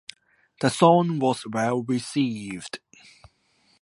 The song was well received.